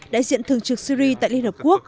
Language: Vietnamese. đại diện thường trực syri tại liên hợp quốc